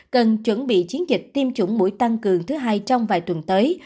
cần chuẩn bị chiến dịch tiêm chủng mũi tăng cường thứ hai trong vài tuần tới